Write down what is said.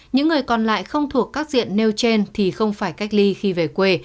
những người còn lại không thuộc các diện nêu trên thì không phải cách ly khi về quê